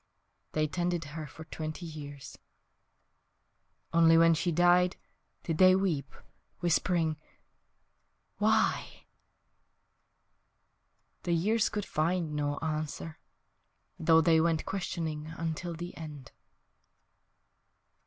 . They tended her For twenty years. Only when she died Did they weep, whispering, "Why?" The years could find no answer, Though they went questioning Until the end. .......